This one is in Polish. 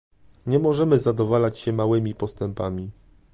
Nie możemy zadowalać się małymi postępami